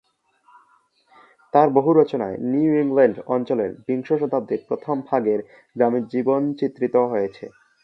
তাঁর বহু রচনায় নিউ ইংল্যান্ড অঞ্চলের বিংশ শতাব্দীর প্রথম ভাগের গ্রামীণ জীবন চিত্রিত হয়েছে।